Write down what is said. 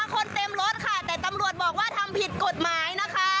นี่คนเต็มรถแต่ตำรวจบอกว่าทำผิดกฎหมาย